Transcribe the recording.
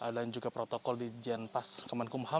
dan juga protokol di jenpas kemenkumham